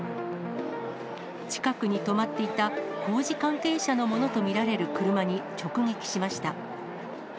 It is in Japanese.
近くに止まっていた工事関係者のものと見られる車に直撃しました。